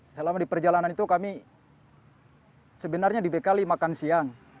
selama di perjalanan itu kami sebenarnya dibekali makan siang